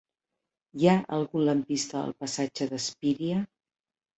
Hi ha algun lampista al passatge d'Espíria?